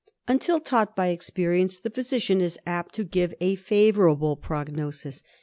Until taught by experience, the physician is apt to give a favourable prognosis.